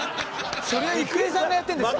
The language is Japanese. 郁恵さんがやってるんですか？